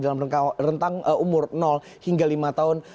dalam rentang umur hingga lima tahun